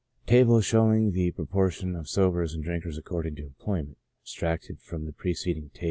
Table showing the proportion of Sobers and Drinkers accord ing to Employments, {^Abstracted from the preceding Table.)